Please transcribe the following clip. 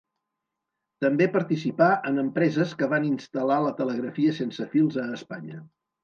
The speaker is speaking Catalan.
També participà en empreses que van instal·lar la telegrafia sense fils a Espanya.